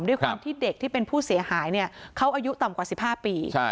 ด้วยความที่เด็กที่เป็นผู้เสียหายเนี่ยเขาอายุต่ำกว่า๑๕ปี